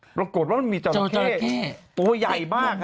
ปรากฏว่ามันมีจอละเข้ตัวใหญ่มากนะฮะ